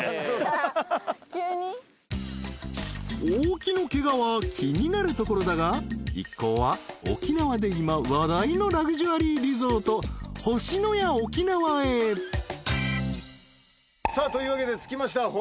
［大木のケガは気になるところだが一行は沖縄で今話題のラグジュアリーリゾート星のや沖縄へ］というわけで着きました。